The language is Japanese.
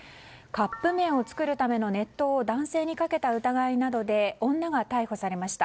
カップ麺を作るための熱湯を男性にかけた疑いなどで女が逮捕されました。